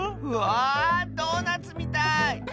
うわドーナツみたい！